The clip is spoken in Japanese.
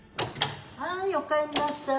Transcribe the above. はいおかえんなさい。